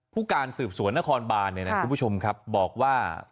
พวการสืบสวนนครบานเนี้ยนะครับพูดผู้ชมครับบอกว่า